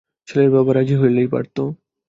ছেলের বাবা রাজি হলেই পারত।